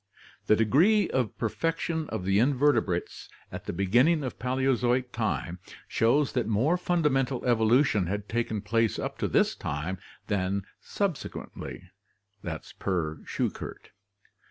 The degree of perfection of the invertebrates at the beginning of Paleozoic time shows that more fundamental evolution had taken place up to this time than subsequently (Schuchert)